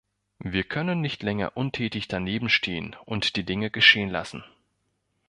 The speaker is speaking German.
Wir können nicht länger untätig danebenstehen und die Dinge geschehen lassen.